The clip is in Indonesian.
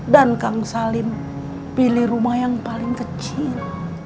dan kang salim pilih rumah yang paling kecil